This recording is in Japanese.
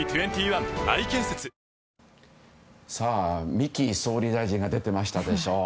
三木総理大臣が出ていましたでしょ。